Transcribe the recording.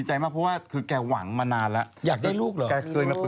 เหมือนพ่อเบ้นเหมือนพ่อ